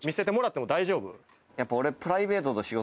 やっぱ俺。